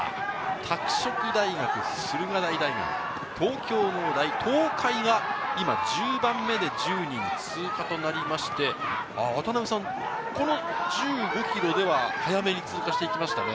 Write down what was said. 拓殖大学、駿河台大学、東京農大、東海が今、１０番目で１０人通過となりまして、この１５ｋｍでは、早めに通過していきました。